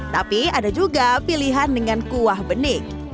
tapi ada juga pilihan dengan kuah bening